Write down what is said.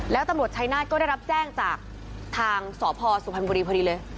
แล้วตำรวจชายนาฏก็ได้รับแจ้งจากทางสพสุพรรณบุรีพอดีเลย